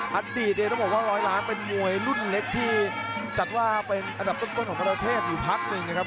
หันตีนเรียนบอกว่าหลอยล้านเป็นมวยลุ่นเล็กที่จัดว่าเป็นอัฏฐกด์ต้นของมรเทศอยู่พักหนึ่งนะครับ